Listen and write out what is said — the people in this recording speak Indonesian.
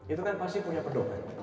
itu kan pasti punya pedoman